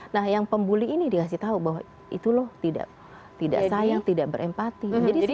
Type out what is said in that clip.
nah yang pembuli ini dikasih tahu bahwa itu loh tidak sayang tidak berempati